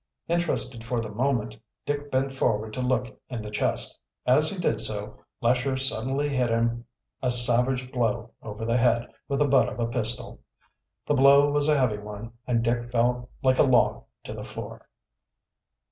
Interested for the moment, Dick bent forward to look in the chest. As he did so, Lesher suddenly hit him a savage blow over the head with the butt of a pistol. The blow was a heavy one, and Dick fell like a log to the floor.